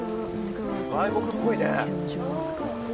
外国っぽいね。